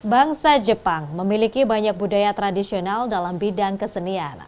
bangsa jepang memiliki banyak budaya tradisional dalam bidang kesenian